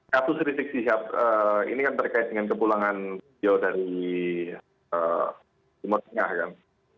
katus rizik sihab ini kan berkait dengan kebulangan video dari timur tengah kan